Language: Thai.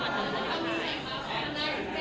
สวัสดีครับคุณผู้ชม